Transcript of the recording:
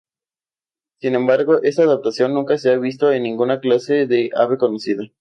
Sin embargo, esta adaptación nunca se ha visto en ninguna clase de ave conocida.